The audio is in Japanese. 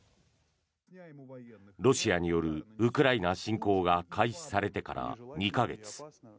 ロシアによるウクライナ侵攻が開始されてから２か月。